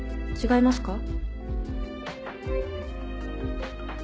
違いますか？